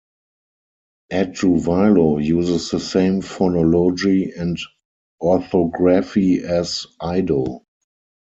Adjuvilo uses the same phonology and orthography as Ido.